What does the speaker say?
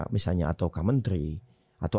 misalnya atau kementri atau